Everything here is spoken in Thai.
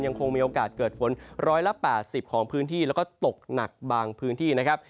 ยังคงมีโอกาสเกิดฝน๑๘๐ของพื้นที่แล้วก็ตกหนักบางพื้นที่นะครับ